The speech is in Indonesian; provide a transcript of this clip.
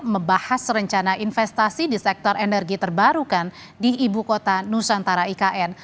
membahas rencana investasi di sektor energi terbarukan di ibu kota nusantara ikn